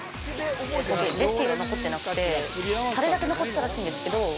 レシピが残ってなくて、タレだけ残ってたらしいんですけど。